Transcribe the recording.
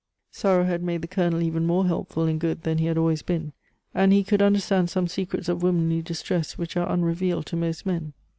Sorrow had made the Colonel even more helpful and good than he had always been, and he could understand some secrets of womanly distress which are unrevealed to most men.